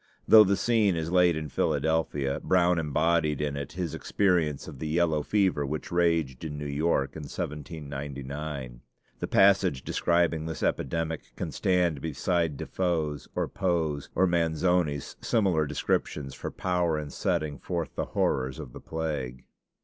Though the scene is laid in Philadelphia, Brown embodied in it his experience of the yellow fever which raged in New York in 1799. The passage describing this epidemic can stand beside Defoe's or Poe's or Manzoni's similar descriptions, for power in setting forth the horrors of the plague.